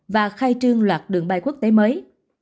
và khai trương loạt đường bay quốc tế mới